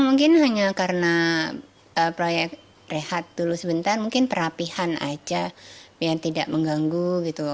mungkin hanya karena proyek rehat dulu sebentar mungkin perapihan aja biar tidak mengganggu gitu